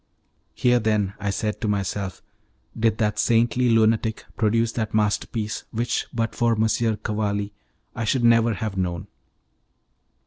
"Here, then," I said to myself, "did that saintly lunatic produce that masterpiece which but for M. Cavalli I should never have known."